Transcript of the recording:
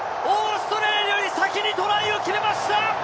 なんとポルトガルがオーストラリアより先にトライを決めました！